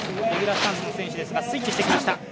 レギュラースタンスの選手ですがスイッチしてきました。